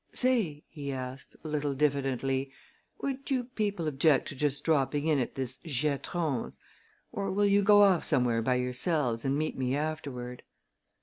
"Say," he asked, a little diffidently, "would you people object to just dropping in at this Giatron's? Or will you go off somewhere by yourselves and meet me afterward?"